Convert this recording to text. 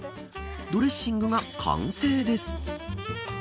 ドレッシングが完成です。